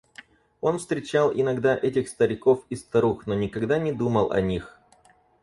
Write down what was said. Он встречал иногда этих стариков и старух, но никогда не думал о них.